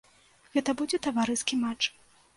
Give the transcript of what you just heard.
Гэта будзе таварыскі матч.